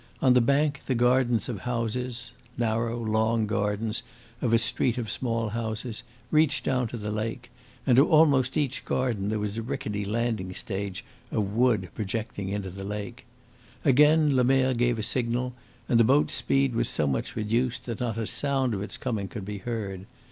On the bank the gardens of houses narrow, long gardens of a street of small houses reached down to the lake, and to almost each garden there was a rickety landing stage of wood projecting into the lake. Again Lemerre gave a signal, and the boat's speed was so much reduced that not a sound of its coming could be heard.